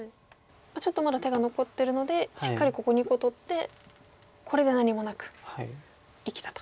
ちょっとまだ手が残ってるのでしっかりここ２個取ってこれで何もなく生きたと。